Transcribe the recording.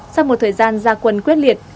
sau một thời gian gia quân quyết liệt